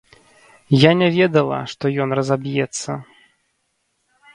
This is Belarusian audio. Я не ведала, што ён разаб'ецца.